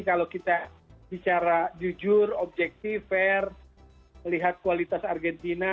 kalau kita bicara jujur objektif fair melihat kualitas argentina